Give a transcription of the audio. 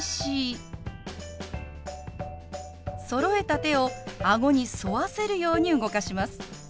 そろえた手を顎に沿わせるように動かします。